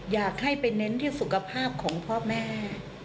อยากให้ไปเน้นที่สุขภาพของพ่อแม่